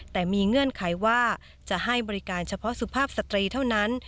แต่มีเงื่อนไขว่าจะให้บริการเฉพาะสุภาพสตรีเท่านั้น